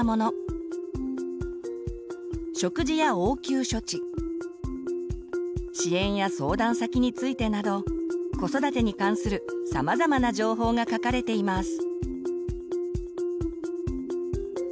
食事や応急処置支援や相談先についてなど子育てに関するさまざまな情報が書かれています。